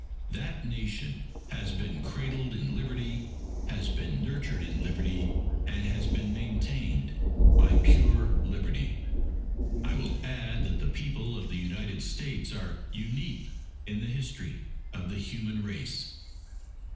That Nation has been cradled in Liberty, has been nurtured in Liberty, and has been maintained by pure Liberty. I will add that the People of the United States are unique in the history of the human race.